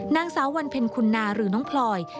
นางสาววันเพ็ญคุณนาหรือน้องพลอย